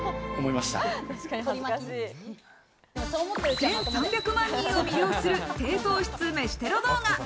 １３００万人を魅了する低糖質、飯テロ動画。